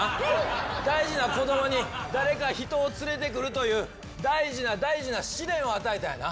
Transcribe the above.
大事な子供に誰か人を連れてくるという大事な大事な試練を与えたんやな。